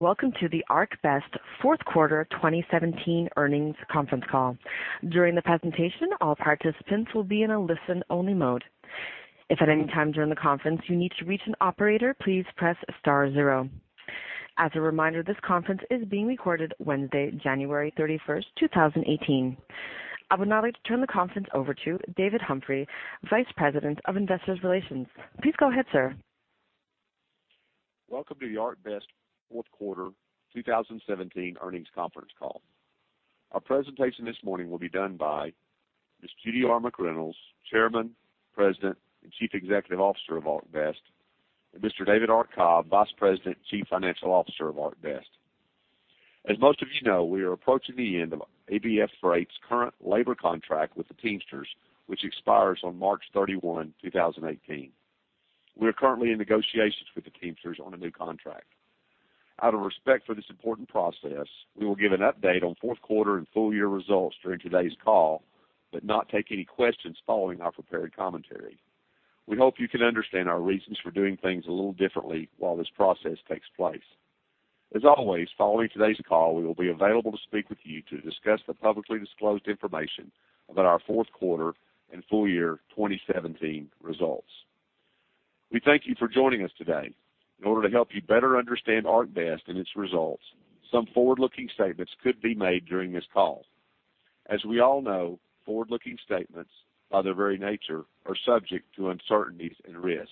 Welcome to the ArcBest Fourth Quarter 2017 Earnings Conference Call. During the presentation, all participants will be in a listen-only mode. If at any time during the conference, you need to reach an operator, please press star zero. As a reminder, this conference is being recorded Wednesday, January 31st, 2018. I would now like to turn the conference over to David Humphrey, Vice President of Investor Relations. Please go ahead, sir. Welcome to the ArcBest Fourth Quarter 2017 Earnings Conference Call. Our presentation this morning will be done by Ms. Judy R. McReynolds, Chairman, President, and Chief Executive Officer of ArcBest, and Mr. David R. Cobb, Vice President, Chief Financial Officer of ArcBest. As most of you know, we are approaching the end of ABF Freight's current labor contract with the Teamsters, which expires on March 31, 2018. We are currently in negotiations with the Teamsters on a new contract. Out of respect for this important process, we will give an update on fourth quarter and full-year results during today's call, but not take any questions following our prepared commentary. We hope you can understand our reasons for doing things a little differently while this process takes place. As always, following today's call, we will be available to speak with you to discuss the publicly disclosed information about our fourth quarter and full year 2017 results. We thank you for joining us today. In order to help you better understand ArcBest and its results, some forward-looking statements could be made during this call. As we all know, forward-looking statements, by their very nature, are subject to uncertainties and risks.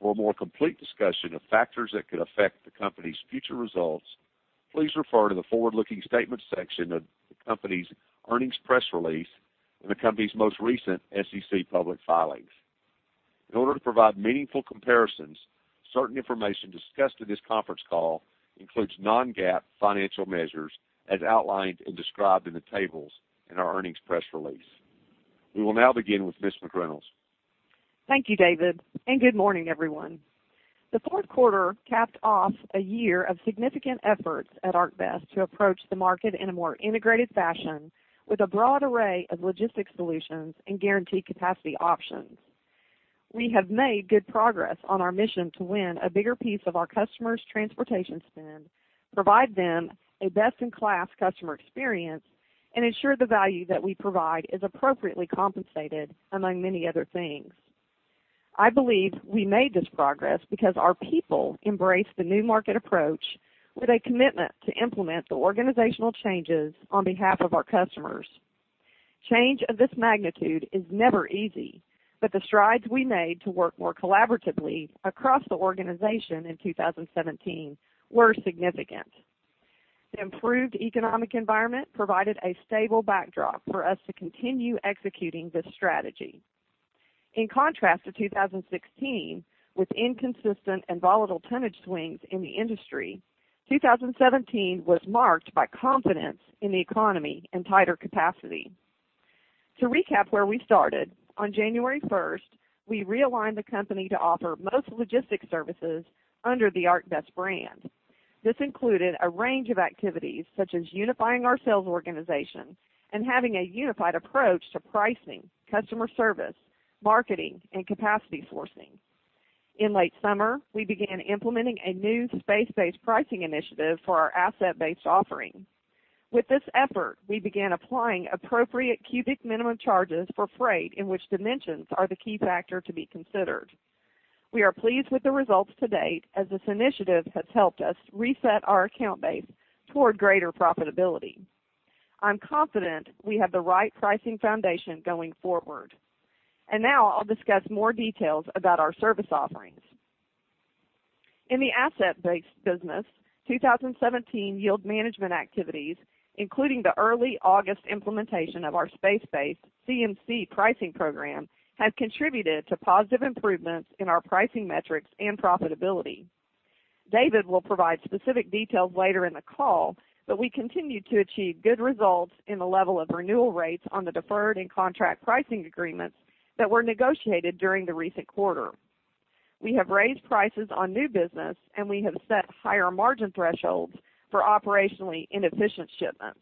For a more complete discussion of factors that could affect the company's future results, please refer to the Forward-Looking Statements section of the company's earnings press release and the company's most recent SEC public filings. In order to provide meaningful comparisons, certain information discussed in this conference call includes non-GAAP financial measures, as outlined and described in the tables in our earnings press release. We will now begin with Ms. McReynolds. Thank you, David, and good morning, everyone. The fourth quarter capped off a year of significant efforts at ArcBest to approach the market in a more integrated fashion with a broad array of logistics solutions and guaranteed capacity options. We have made good progress on our mission to win a bigger piece of our customers' transportation spend, provide them a best-in-class customer experience, and ensure the value that we provide is appropriately compensated, among many other things. I believe we made this progress because our people embraced the new market approach with a commitment to implement the organizational changes on behalf of our customers. Change of this magnitude is never easy, but the strides we made to work more collaboratively across the organization in 2017 were significant. The improved economic environment provided a stable backdrop for us to continue executing this strategy. In contrast to 2016, with inconsistent and volatile tonnage swings in the industry, 2017 was marked by confidence in the economy and tighter capacity. To recap where we started, on January 1st, we realigned the company to offer most logistics services under the ArcBest brand. This included a range of activities, such as unifying our sales organization and having a unified approach to pricing, customer service, marketing, and capacity sourcing. In late summer, we began implementing a new space-based pricing initiative for our asset-based offerings. With this effort, we began applying appropriate cubic minimum charges for freight in which dimensions are the key factor to be considered. We are pleased with the results to date, as this initiative has helped us reset our account base toward greater profitability. I'm confident we have the right pricing foundation going forward. And now I'll discuss more details about our service offerings. In the asset-based business, 2017 yield management activities, including the early August implementation of our space-based CMC pricing program, have contributed to positive improvements in our pricing metrics and profitability. David will provide specific details later in the call, but we continue to achieve good results in the level of renewal rates on the deferred and contract pricing agreements that were negotiated during the recent quarter. We have raised prices on new business, and we have set higher margin thresholds for operationally inefficient shipments.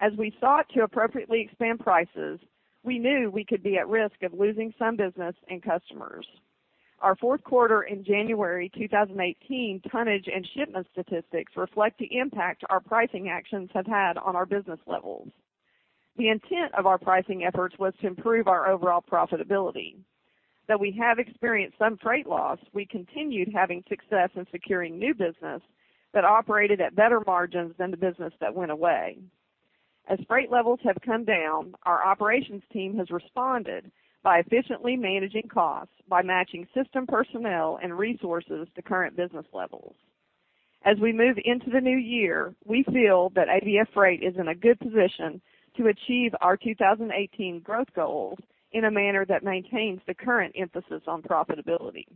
As we sought to appropriately expand prices, we knew we could be at risk of losing some business and customers. Our fourth quarter in January 2018 tonnage and shipment statistics reflect the impact our pricing actions have had on our business levels. The intent of our pricing efforts was to improve our overall profitability. Though we have experienced some freight loss, we continued having success in securing new business that operated at better margins than the business that went away. As freight levels have come down, our operations team has responded by efficiently managing costs, by matching system personnel and resources to current business levels. As we move into the new year, we feel that ABF Freight is in a good position to achieve our 2018 growth goals in a manner that maintains the current emphasis on profitability.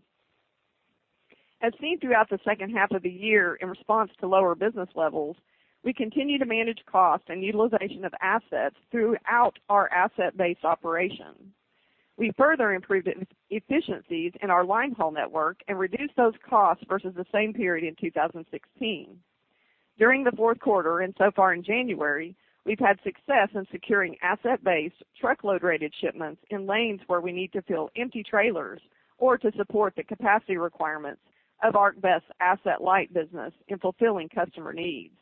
As seen throughout the second half of the year, in response to lower business levels, we continue to manage cost and utilization of assets throughout our asset-based operations. We further improved efficiencies in our line haul network and reduced those costs versus the same period in 2016. During the fourth quarter and so far in January, we've had success in securing asset-based truckload-rated shipments in lanes where we need to fill empty trailers or to support the capacity requirements of ArcBest asset-light business in fulfilling customer needs.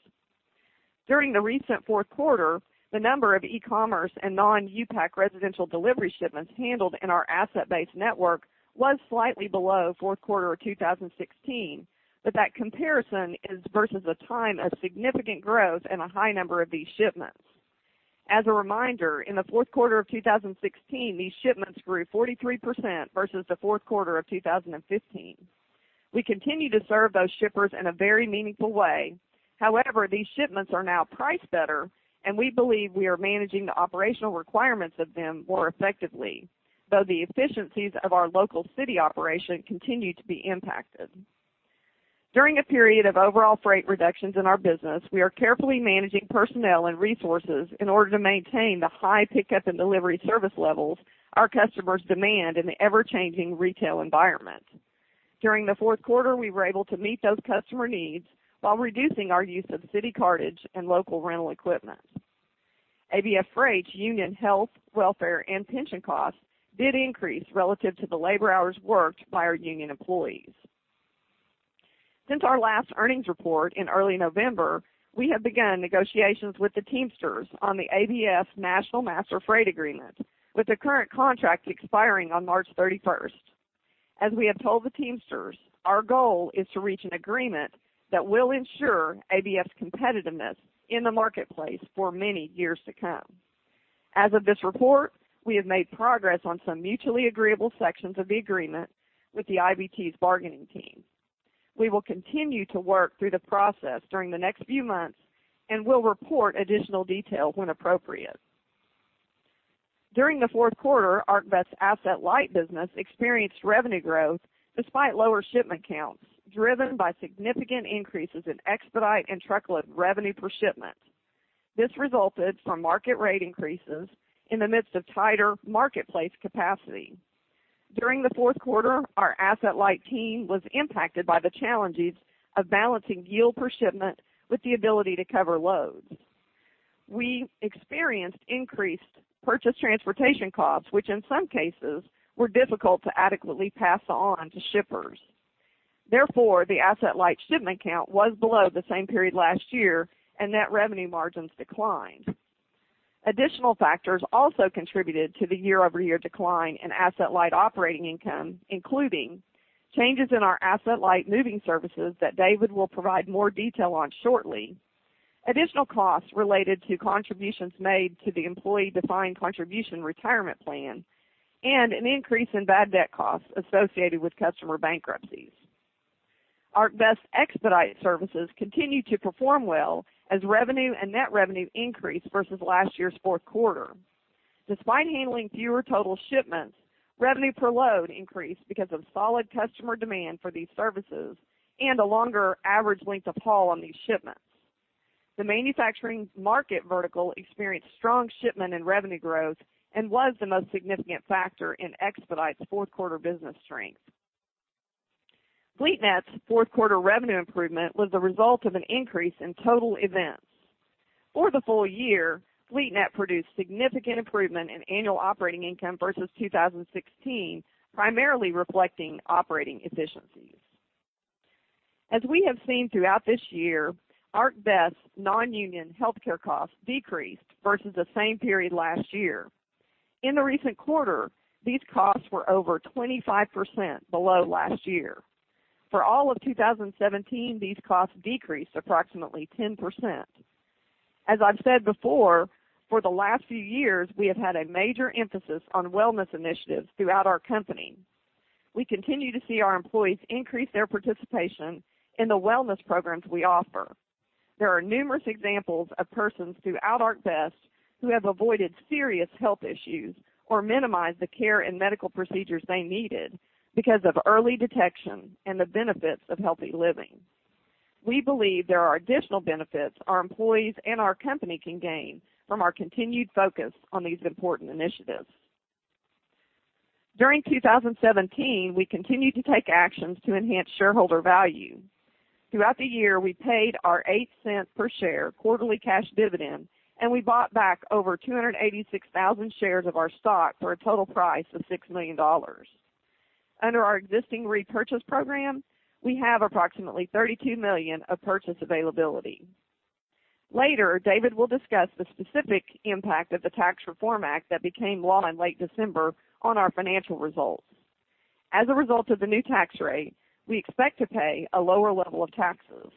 During the recent fourth quarter, the number of e-commerce and non-U-Pack residential delivery shipments handled in our asset-based network was slightly below fourth quarter of 2016, but that comparison is versus a time of significant growth and a high number of these shipments. As a reminder, in the fourth quarter of 2016, these shipments grew 43% versus the fourth quarter of 2015. We continue to serve those shippers in a very meaningful way. However, these shipments are now priced better, and we believe we are managing the operational requirements of them more effectively, though the efficiencies of our local city operation continue to be impacted. During a period of overall freight reductions in our business, we are carefully managing personnel and resources in order to maintain the high pickup and delivery service levels our customers demand in an ever-changing retail environment. During the fourth quarter, we were able to meet those customer needs while reducing our use of city cartage and local rental equipment. ABF Freight union health, welfare, and pension costs did increase relative to the labor hours worked by our union employees. Since our last earnings report in early November, we have begun negotiations with the Teamsters on the ABF National Master Freight Agreement, with the current contract expiring on March 31st. As we have told the Teamsters, our goal is to reach an agreement that will ensure ABF's competitiveness in the marketplace for many years to come. As of this report, we have made progress on some mutually agreeable sections of the agreement with the IBT's bargaining team. We will continue to work through the process during the next few months and will report additional detail when appropriate. During the fourth quarter, ArcBest asset-light business experienced revenue growth despite lower shipment counts, driven by significant increases in expedite and truckload revenue per shipment. This resulted from market rate increases in the midst of tighter marketplace capacity. During the fourth quarter, our asset-light team was impacted by the challenges of balancing yield per shipment with the ability to cover loads. We experienced increased purchased transportation costs, which in some cases were difficult to adequately pass on to shippers. Therefore, the asset-light shipment count was below the same period last year, and net revenue margins declined. Additional factors also contributed to the year-over-year decline in asset-light operating income, including changes in our asset-light moving services that David will provide more detail on shortly, additional costs related to contributions made to the employee Defined Contribution Retirement Plan, and an increase in bad debt costs associated with customer bankruptcies. ArcBest expedite services continued to perform well as revenue and net revenue increased versus last year's fourth quarter. Despite handling fewer total shipments, revenue per load increased because of solid customer demand for these services and a longer average length of haul on these shipments. The manufacturing market vertical experienced strong shipment and revenue growth and was the most significant factor in expedite's fourth quarter business strength. FleetNet's fourth quarter revenue improvement was the result of an increase in total events. For the full year, FleetNet produced significant improvement in annual operating income versus 2016, primarily reflecting operating efficiencies. As we have seen throughout this year, ArcBest's non-union healthcare costs decreased versus the same period last year. In the recent quarter, these costs were over 25% below last year. For all of 2017, these costs decreased approximately 10%. As I've said before, for the last few years, we have had a major emphasis on wellness initiatives throughout our company. We continue to see our employees increase their participation in the wellness programs we offer. There are numerous examples of persons throughout ArcBest who have avoided serious health issues or minimized the care and medical procedures they needed because of early detection and the benefits of healthy living. We believe there are additional benefits our employees and our company can gain from our continued focus on these important initiatives. During 2017, we continued to take actions to enhance shareholder value. Throughout the year, we paid our $0.08 per share quarterly cash dividend, and we bought back over 286,000 shares of our stock for a total price of $6 million. Under our existing repurchase program, we have approximately $32 million of purchase availability. Later, David will discuss the specific impact of the Tax Reform Act that became law in late December on our financial results. As a result of the new tax rate, we expect to pay a lower level of taxes.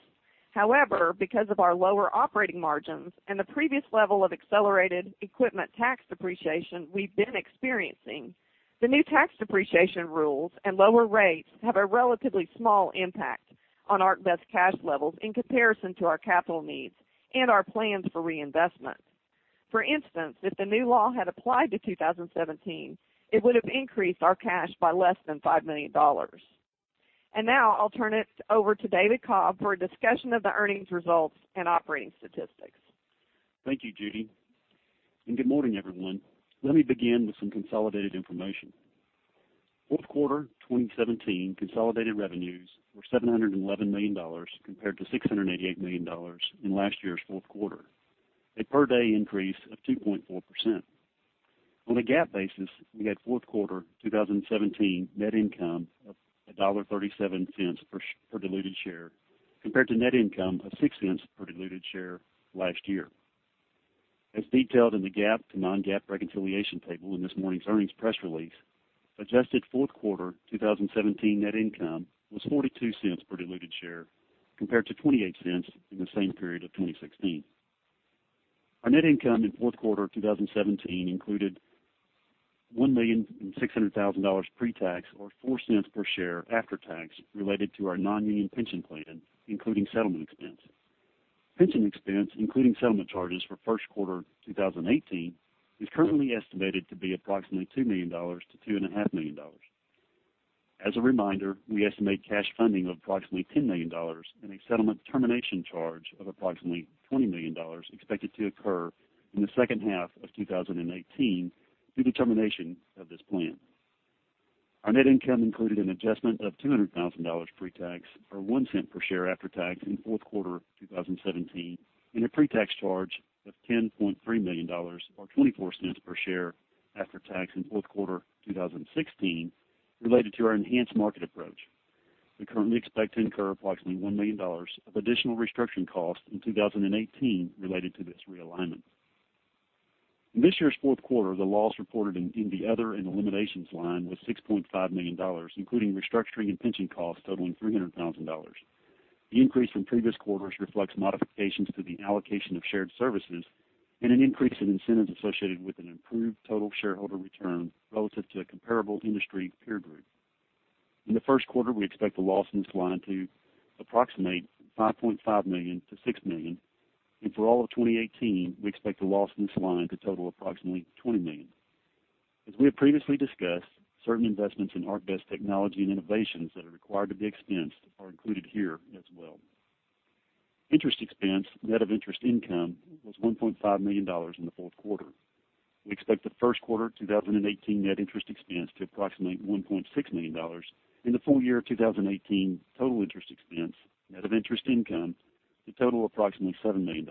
However, because of our lower operating margins and the previous level of accelerated equipment tax depreciation we've been experiencing, the new tax depreciation rules and lower rates have a relatively small impact on ArcBest cash levels in comparison to our capital needs and our plans for reinvestment. For instance, if the new law had applied to 2017, it would have increased our cash by less than $5 million. Now I'll turn it over to David Cobb for a discussion of the earnings results and operating statistics. Thank you, Judy, and good morning, everyone. Let me begin with some consolidated information. Fourth quarter 2017 consolidated revenues were $711 million compared to $688 million in last year's fourth quarter, a per day increase of 2.4%. On a GAAP basis, we had fourth quarter 2017 net income of $1.37 per diluted share, compared to net income of $0.06 per diluted share last year. As detailed in the GAAP to non-GAAP reconciliation table in this morning's earnings press release, adjusted fourth quarter 2017 net income was $0.42 per diluted share, compared to $0.28 in the same period of 2016. Our net income in fourth quarter 2017 included $1.6 million pre-tax, or $0.04 per share after tax related to our non-union pension plan, including settlement expense. Pension expense, including settlement charges for first quarter 2018, is currently estimated to be approximately $2 million-$2.5 million. As a reminder, we estimate cash funding of approximately $10 million and a settlement termination charge of approximately $20 million expected to occur in the second half of 2018 due to termination of this plan. Our net income included an adjustment of $200,000 pre-tax, or $0.01 per share after tax in fourth quarter 2017, and a pre-tax charge of $10.3 million or $0.24 per share after tax in fourth quarter 2016 related to our enhanced market approach. We currently expect to incur approximately $1 million of additional restructuring costs in 2018 related to this realignment. In this year's fourth quarter, the loss reported in the Other and Eliminations line was $6.5 million, including restructuring and pension costs totaling $300,000. The increase from previous quarters reflects modifications to the allocation of shared services and an increase in incentives associated with an improved total shareholder return relative to a comparable industry peer group. In the first quarter, we expect the loss in this line to approximate $5.5 million-$6 million, and for all of 2018, we expect the loss in this line to total approximately $20 million. As we have previously discussed, certain investments in ArcBest technology and innovations that are required to be expensed are included here as well. Interest expense, net of interest income, was $1.5 million in the fourth quarter. We expect the first quarter 2018 net interest expense to approximate $1.6 million, and the full year 2018 total interest expense, net of interest income, to total approximately $7 million.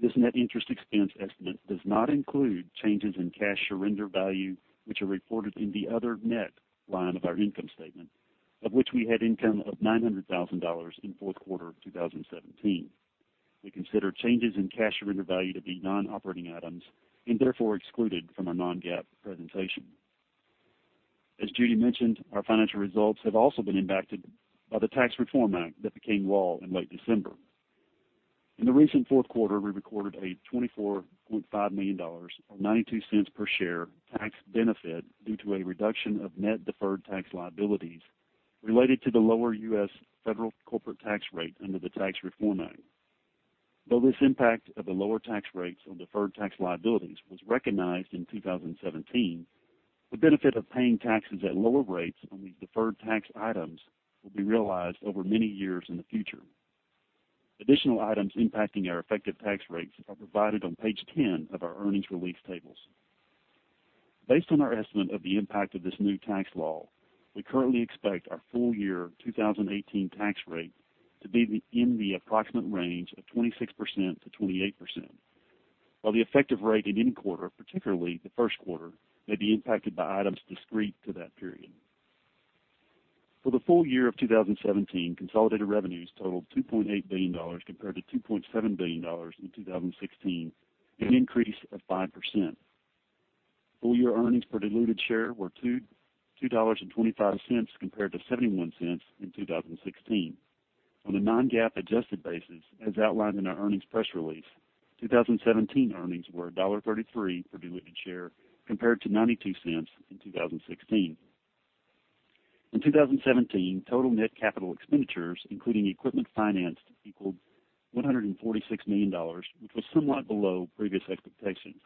This net interest expense estimate does not include changes in cash surrender value, which are reported in the other net line of our income statement, of which we had income of $900,000 in fourth quarter 2017. We consider changes in cash surrender value to be non-operating items and therefore excluded from our non-GAAP presentation. As Judy mentioned, our financial results have also been impacted by the Tax Reform Act that became law in late December. In the recent fourth quarter, we recorded a $24.5 million, or $0.92 per share, tax benefit due to a reduction of net deferred tax liabilities related to the lower U.S. federal corporate tax rate under the Tax Reform Act. Though this impact of the lower tax rates on deferred tax liabilities was recognized in 2017, the benefit of paying taxes at lower rates on these deferred tax items will be realized over many years in the future. Additional items impacting our effective tax rates are provided on page 10 of our earnings release tables. Based on our estimate of the impact of this new tax law, we currently expect our full year 2018 tax rate to be in the approximate range of 26%-28%, while the effective rate in any quarter, particularly the first quarter, may be impacted by items discrete to that period. For the full year of 2017, consolidated revenues totaled $2.8 billion compared to $2.7 billion in 2016, an increase of 5%. Full year earnings per diluted share were $2.25 compared to $0.71 in 2016. On a non-GAAP adjusted basis, as outlined in our earnings press release, 2017 earnings were $1.33 per diluted share compared to $0.92 in 2016. In 2017, total net capital expenditures, including equipment financed, equaled $146 million, which was somewhat below previous expectations.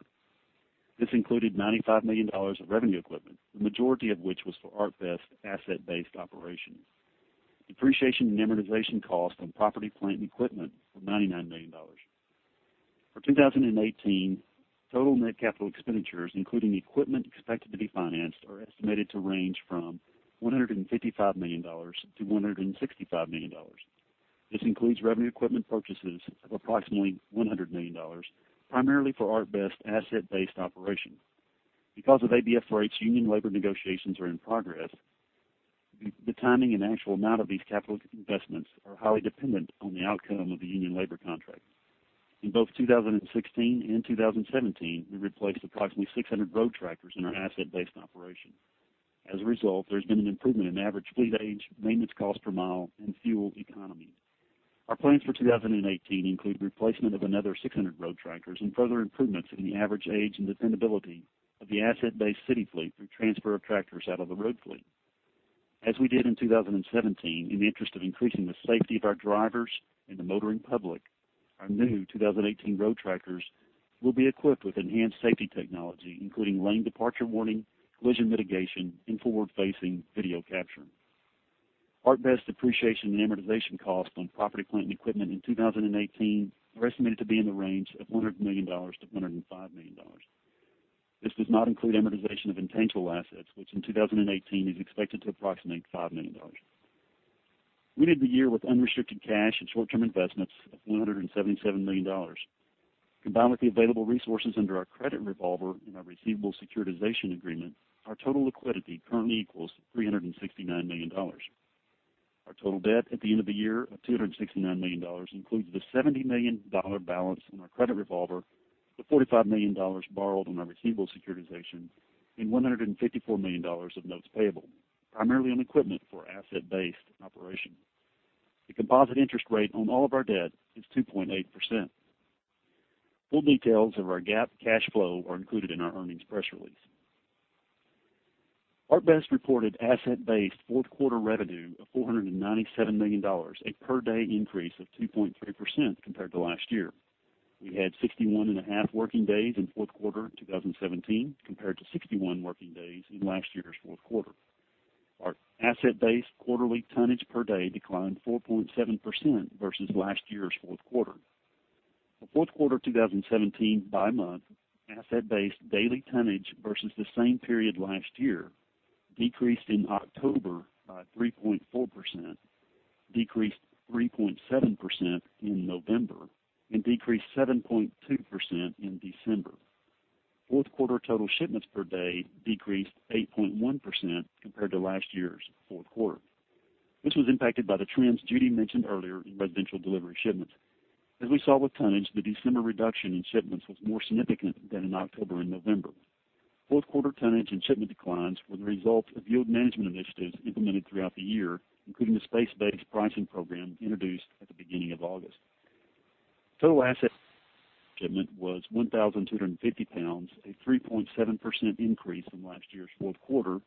This included $95 million of revenue equipment, the majority of which was for ArcBest asset-based operations. Depreciation and amortization costs on property, plant, and equipment were $99 million. For 2018, total net capital expenditures, including equipment expected to be financed, are estimated to range from $155 million-$165 million. This includes revenue equipment purchases of approximately $100 million, primarily for ArcBest asset-based operations. Because of ABF's union labor negotiations are in progress, the timing and actual amount of these capital investments are highly dependent on the outcome of the union labor contract. In both 2016 and 2017, we replaced approximately 600 road tractors in our asset-based operation. As a result, there's been an improvement in average fleet age, maintenance costs per mile, and fuel economy. Our plans for 2018 include replacement of another 600 road tractors and further improvements in the average age and dependability of the asset-based city fleet through transfer of tractors out of the road fleet. As we did in 2017, in the interest of increasing the safety of our drivers and the motoring public, our new 2018 road tractors will be equipped with enhanced safety technology, including lane departure warning, collision mitigation, and forward-facing video capture. ArcBest depreciation and amortization costs on property, plant, and equipment in 2018 are estimated to be in the range of $100 million-$105 million. This does not include amortization of intangible assets, which in 2018, is expected to approximate $5 million. We ended the year with unrestricted cash and short-term investments of $177 million. Combined with the available resources under our credit revolver and our receivable securitization agreement, our total liquidity currently equals $369 million. Our total debt at the end of the year of $269 million includes the $70 million balance on our credit revolver, the $45 million borrowed on our receivable securitization, and $154 million of notes payable, primarily on equipment for asset-based operation. The composite interest rate on all of our debt is 2.8%. Full details of our GAAP cash flow are included in our earnings press release. ArcBest reported asset-based fourth quarter revenue of $497 million, a per day increase of 2.3% compared to last year. We had 61.5 working days in fourth quarter 2017, compared to 61 working days in last year's fourth quarter. Our asset-based quarterly tonnage per day declined 4.7% versus last year's fourth quarter. For fourth quarter 2017 by month, asset-based daily tonnage versus the same period last year decreased in October by 3.4%, decreased 3.7% in November, and decreased 7.2% in December. Fourth quarter total shipments per day decreased 8.1% compared to last year's fourth quarter. This was impacted by the trends Judy mentioned earlier in residential delivery shipments. As we saw with tonnage, the December reduction in shipments was more significant than in October and November. Fourth quarter tonnage and shipment declines were the result of yield management initiatives implemented throughout the year, including the space-based pricing program introduced at the beginning of August. Total asset shipment was 1,250 pounds, a 3.7% increase from last year's fourth quarter,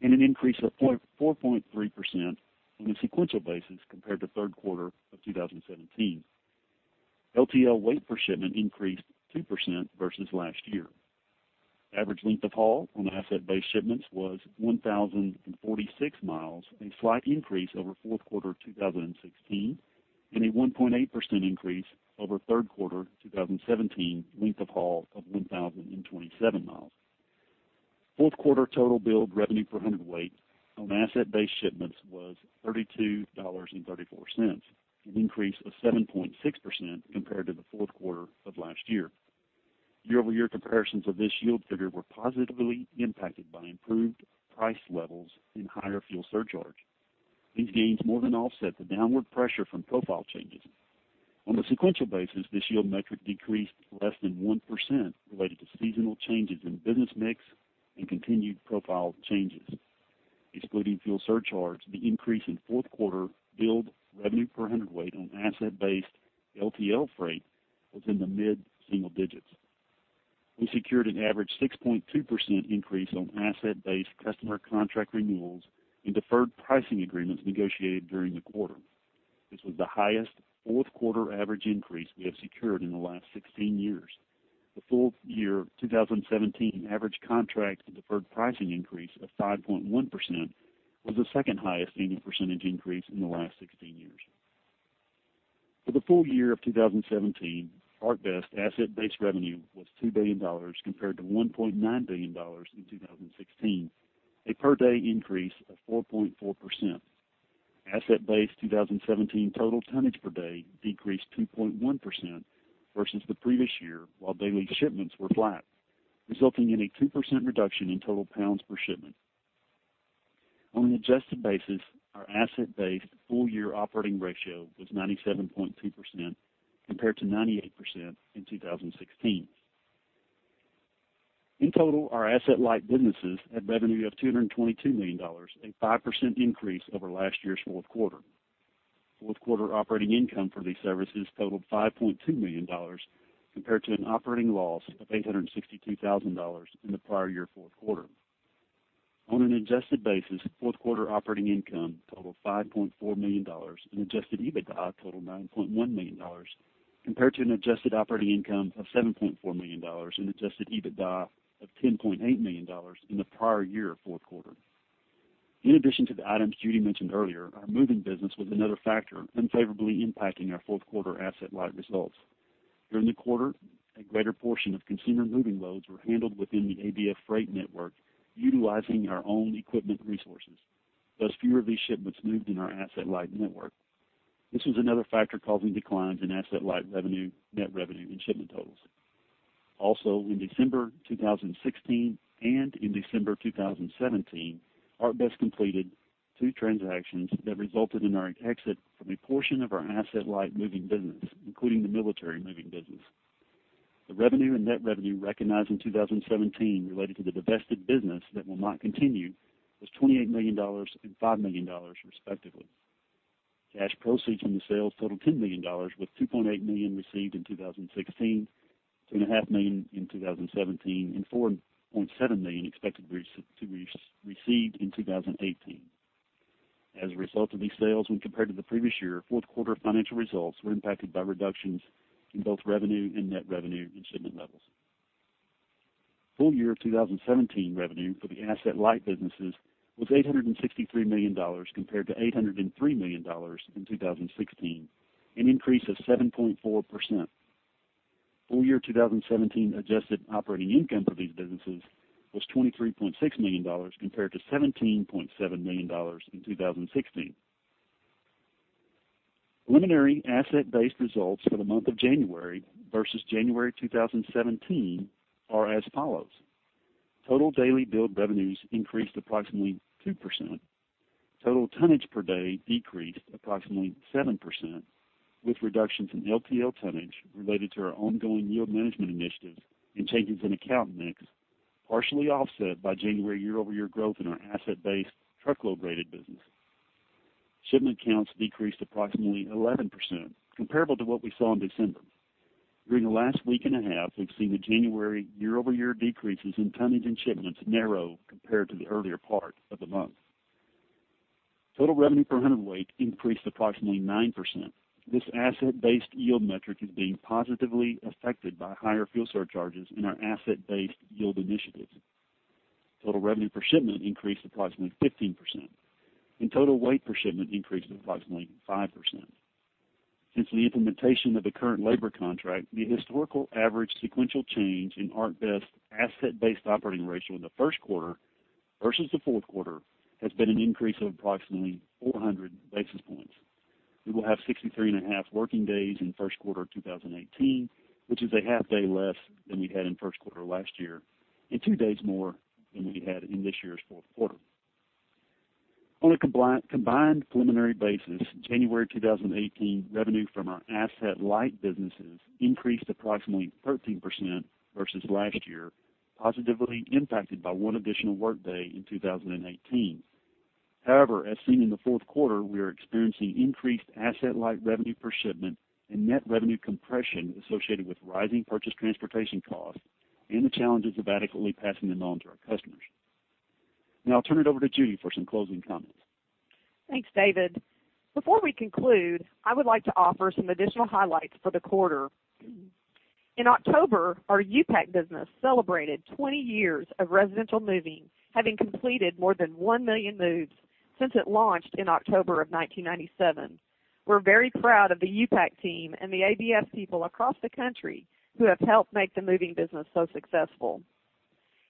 and an increase of 4.3% on a sequential basis compared to third quarter of 2017. LTL weight per shipment increased 2% versus last year. Average length of haul on asset-based shipments was 1,046 miles, a slight increase over fourth quarter 2016, and a 1.8% increase over third quarter 2017, length of haul of 1,027 miles. Fourth quarter total billed revenue per hundredweight on asset-based shipments was $32.34, an increase of 7.6% compared to the fourth quarter of last year. Year-over-year comparisons of this yield figure were positively impacted by improved price levels and higher fuel surcharge. These gains more than offset the downward pressure from profile changes. On a sequential basis, this yield metric decreased less than 1% related to seasonal changes in business mix and continued profile changes. Excluding fuel surcharge, the increase in fourth quarter billed revenue per hundredweight on asset-based LTL freight was in the mid-single digits. We secured an average 6.2% increase on asset-based customer contract renewals and deferred pricing agreements negotiated during the quarter. This was the highest fourth quarter average increase we have secured in the last 16 years. The full year 2017 average contract and deferred pricing increase of 5.1% was the second highest annual percentage increase in the last 16 years. For the full year of 2017, ArcBest asset-based revenue was $2 billion compared to $1.9 billion in 2016, a per day increase of 4.4%. Asset-based 2017 total tonnage per day decreased 2.1% versus the previous year, while daily shipments were flat, resulting in a 2% reduction in total pounds per shipment. On an adjusted basis, our asset-based full year operating ratio was 97.2%, compared to 98% in 2016. In total, our asset-light businesses had revenue of $222 million, a 5% increase over last year's fourth quarter. Fourth quarter operating income for these services totaled $5.2 million, compared to an operating loss of $862,000 in the prior year fourth quarter. On an adjusted basis, fourth quarter operating income totaled $5.4 million, and adjusted EBITDA totaled $9.1 million, compared to an adjusted operating income of $7.4 million and adjusted EBITDA of $10.8 million in the prior year fourth quarter. In addition to the items Judy mentioned earlier, our moving business was another factor unfavorably impacting our fourth quarter asset-light results. During the quarter, a greater portion of consumer moving loads were handled within the ABF Freight network, utilizing our own equipment resources, thus, fewer of these shipments moved in our asset-light network. This was another factor causing declines in asset-light revenue, net revenue, and shipment totals. Also, in December 2016 and in December 2017, ArcBest completed two transactions that resulted in our exit from a portion of our asset-light moving business, including the military moving business. The revenue and net revenue recognized in 2017 related to the divested business that will not continue, was $28 million and $5 million, respectively. Cash proceeds from the sales totaled $10 million, with $2.8 million received in 2016, $2.5 million in 2017, and $4.7 million expected to receive in 2018. As a result of these sales, when compared to the previous year, fourth quarter financial results were impacted by reductions in both revenue and net revenue and shipment levels. Full year of 2017 revenue for the asset-light businesses was $863 million, compared to $803 million in 2016, an increase of 7.4%. Full year 2017 adjusted operating income for these businesses was $23.6 million, compared to $17.7 million in 2016. Preliminary asset-based results for the month of January versus January 2017 are as follows: total daily billed revenues increased approximately 2%. Total tonnage per day decreased approximately 7%, with reductions in LTL tonnage related to our ongoing yield management initiatives and changes in account mix, partially offset by January year-over-year growth in our asset-based truckload-rated business. Shipment counts decreased approximately 11%, comparable to what we saw in December. During the last week and a half, we've seen the January year-over-year decreases in tonnage and shipments narrow compared to the earlier part of the month. Total revenue per hundredweight increased approximately 9%. This asset-based yield metric is being positively affected by higher fuel surcharges in our asset-based yield initiatives. Total revenue per shipment increased approximately 15%, and total weight per shipment increased approximately 5%. Since the implementation of the current labor contract, the historical average sequential change in ArcBest asset-based operating ratio in the first quarter versus the fourth quarter has been an increase of approximately 400 basis points. We will have 63.5 working days in first quarter 2018, which is a half day less than we had in first quarter last year, and two days more than we had in this year's fourth quarter. On a combined preliminary basis, January 2018 revenue from our asset-light businesses increased approximately 13% versus last year, positively impacted by one additional workday in 2018. However, as seen in the fourth quarter, we are experiencing increased asset-light revenue per shipment and net revenue compression associated with rising purchase transportation costs and the challenges of adequately passing them on to our customers. Now I'll turn it over to Judy for some closing comments. Thanks, David. Before we conclude, I would like to offer some additional highlights for the quarter. In October, our U-Pack business celebrated 20 years of residential moving, having completed more than 1 million moves since it launched in October of 1997. We're very proud of the U-Pack team and the ABF people across the country who have helped make the moving business so successful.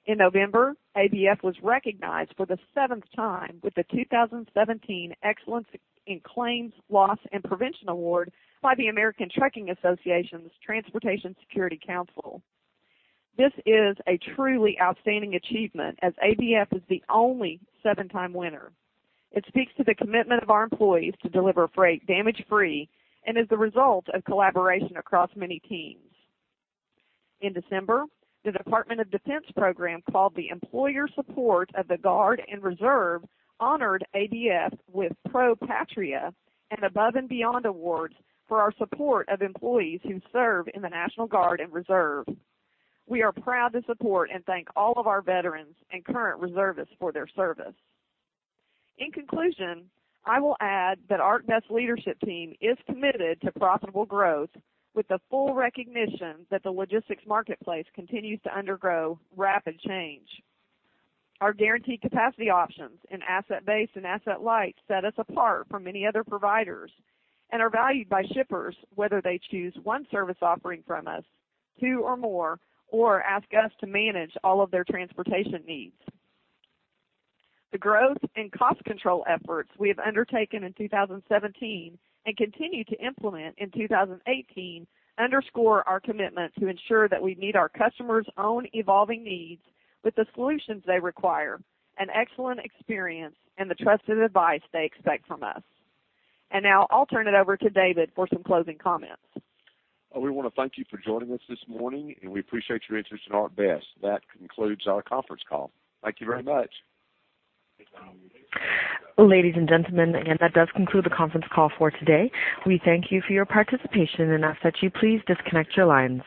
In November, ABF was recognized for the seventh time with the 2017 Excellence in Claims, Loss and Prevention Award by the American Trucking Associations' Transportation Security Council. This is a truly outstanding achievement, as ABF is the only seven-time winner. It speaks to the commitment of our employees to deliver freight damage-free and is the result of collaboration across many teams. In December, the Department of Defense program, called the Employer Support of the Guard and Reserve, honored ABF with Pro Patria and Above and Beyond awards for our support of employees who serve in the National Guard and Reserve. We are proud to support and thank all of our veterans and current reservists for their service. In conclusion, I will add that ArcBest leadership team is committed to profitable growth, with the full recognition that the logistics marketplace continues to undergo rapid change. Our guaranteed capacity options in asset-based and asset-light set us apart from many other providers and are valued by shippers, whether they choose one service offering from us, two or more, or ask us to manage all of their transportation needs. The growth and cost control efforts we have undertaken in 2017 and continue to implement in 2018 underscore our commitment to ensure that we meet our customers' own evolving needs with the solutions they require, an excellent experience, and the trusted advice they expect from us. Now I'll turn it over to David for some closing comments. We want to thank you for joining us this morning, and we appreciate your interest in ArcBest. That concludes our conference call. Thank you very much. Ladies and gentlemen, and that does conclude the conference call for today. We thank you for your participation, and ask that you please disconnect your lines.